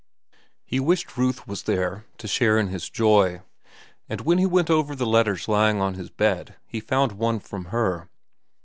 He wished Ruth was there to share in his joy, and when he went over the letters left lying on his bed, he found one from her.